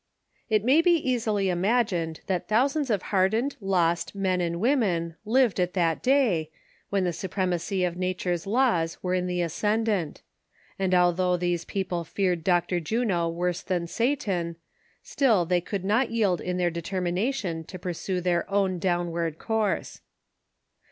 T may be easily imagined that thousands of hard ened, lost men and women lived at that day, when the supremacy of Nature's laws were in the ascendant ; and although these people feared Dr. Juno worse than Satan, still they could not yield in their determination to pursue their own downward course.